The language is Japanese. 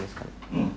うん。